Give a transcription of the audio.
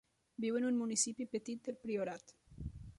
Viu en un municipi petit del Priorat.